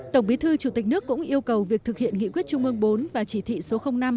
tổng bí thư chủ tịch nước cũng yêu cầu việc thực hiện nghị quyết trung ương bốn và chỉ thị số năm